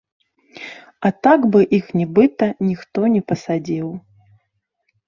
А так бы іх нібыта ніхто не пасадзіў.